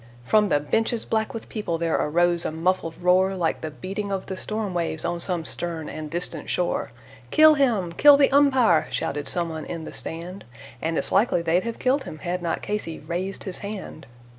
From the benches, black with people, there arose a muffled roar, Like the beating of the storm waves on some stern and distant shore. "Kill him! Kill the umpire!" shouted someone in the stand, And it's likely they'd have killed him had not Casey raised his hand.